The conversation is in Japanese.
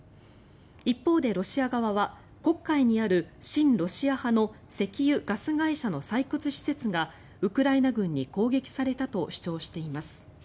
一方で、ロシア側は黒海にある親ロシア派の石油・ガス会社の採掘施設がウクライナ軍に攻撃されたと主張しています。